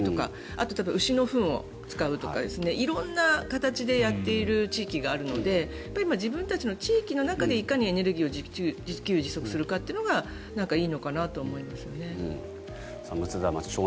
あと、牛のふんを使うとか色んな形でやっている地域があるので自分たちの地域の中でいかにエネルギーを自給自足するかがお天気、片岡さんです。